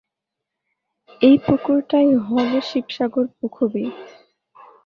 এই পুকুরটায় হ'ল শিবসাগর পুখুৰী।